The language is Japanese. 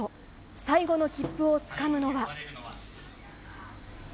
最後の切符をつかむのは。